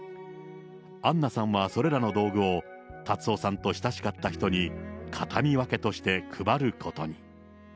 アンナさんはそれらの道具を、辰夫さんと親しかった人に、形見分けとして配ることに。